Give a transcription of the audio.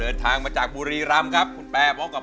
เดินทางมาจากบุรีรัมป์ครับ